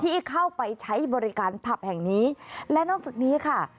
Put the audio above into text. ที่เข้าไปใช้บริการผับแห่งนี้และนอกจากนี้ค่ะ